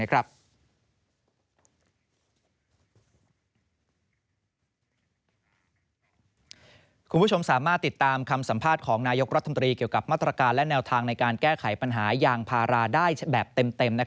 คุณผู้ชมสามารถติดตามคำสัมภาษณ์ของนายกรัฐมนตรีเกี่ยวกับมาตรการและแนวทางในการแก้ไขปัญหายางพาราได้แบบเต็ม